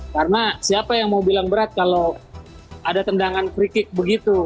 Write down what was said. karena siapa yang mau bilang berat kalau ada tendangan free kick begitu